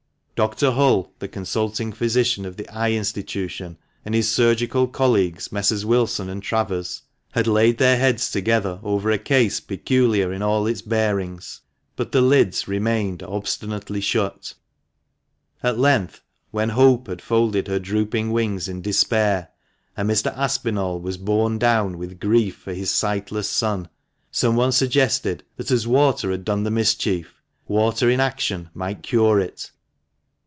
Dr. Hull, the consulting physician of the Eye Institution, and his surgical colleagues, Messrs. Wilson and Travers, had laid their heads 286 THE MANCHESTER MAN. together over a case peculiar in all its bearings, but the lids remained obstinately shut. At length, when Hope had folded her drooping wings in despair, and Mr. Aspinall was borne down with grief for his sightless son, someone suggested that, as water had done the mischief, water in action might cure it.